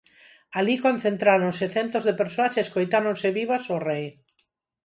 Alí concentráronse centos de persoas e escoitáronse vivas ao Rei.